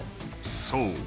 ［そう。